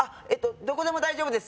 どこでも大丈夫です